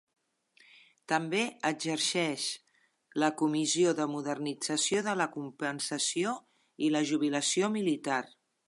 També exerceix la Comissió de modernització de la compensació i la jubilació militar.